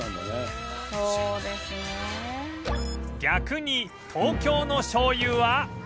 逆に東京の醤油は